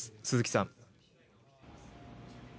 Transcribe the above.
鈴木さん。